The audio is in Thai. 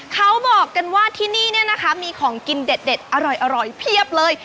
เขาบอกกันว่าที่นี่มีของกินด็ดอร่อยเพียบเลย